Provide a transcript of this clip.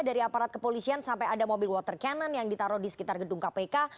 dari aparat kepolisian sampai ada mobil water cannon yang ditaruh di sekitar gedung kpk